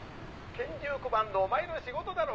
「拳銃配るのお前の仕事だろ馬鹿！